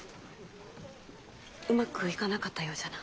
うまくいかなかったようじゃな。